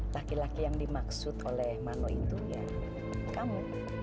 laki laki yang dimaksud oleh mano itu ya kamu